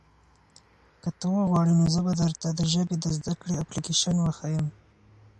که ته وغواړې نو زه به درته د ژبې د زده کړې اپلیکیشن وښیم.